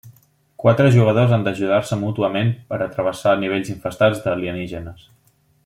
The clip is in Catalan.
Quatre jugadors han d'ajudar-se mútuament per a travessar nivells infestats d'alienígenes.